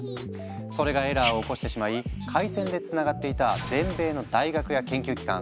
それがエラーを起こしてしまい回線でつながっていた全米の大学や研究機関